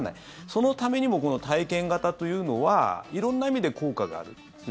そのためにも体験型というのは色んな意味で効果がある。